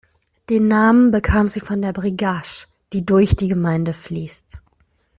Den Namen bekam sie von der Brigach, die durch die Gemeinde fließt.